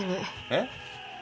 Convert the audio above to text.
えっ？